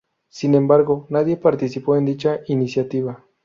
Sin embargo, nadie participó en dicha iniciativa.